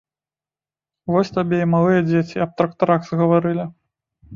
Вось табе і малыя дзеці аб трактарах загаварылі!